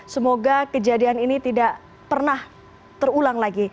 semoga kejadian ini tidak pernah terulang lagi